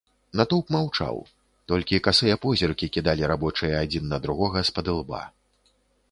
Натоўп маўчаў, толькі касыя позіркі кідалі рабочыя адзін на другога спадылба.